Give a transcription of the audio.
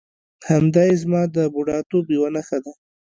همدایې زما د بوډاتوب یوه نښه ده.